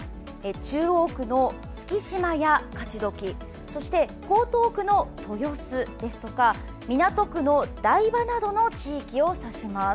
中央区の月島や勝どきそして江東区の豊洲ですとか港区の台場などの地域を指します。